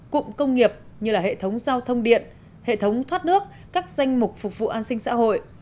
cụm công nghiệp như hệ thống giao thông điện hệ thống thoát nước các danh mục phục vụ an sinh xã hội